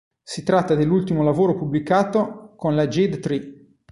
Si tratta dell'ultimo lavoro pubblicato con la Jade Tree.